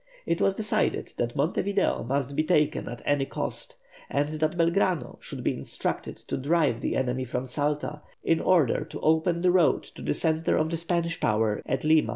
It was decided that Monte Video must be taken at any cost, and that Belgrano should be instructed to drive the enemy from Salta, in order to open the road to the centre of the Spanish power at Lima.